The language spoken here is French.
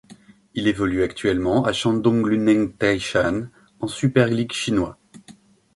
Il évolue actuellement à Shandong Luneng Taishan en Super ligue chinois.